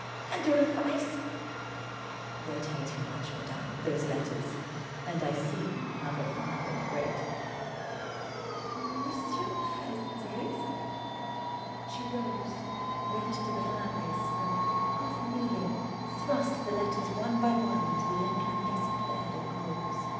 And your advice—?" "They tell too much, madame, those letters. And I see you have a fire in the grate ..." "Monsieur has reason...." She rose, went to the fireplace and, half kneeling, thrust the letters one by one into the incandescent bed of coals.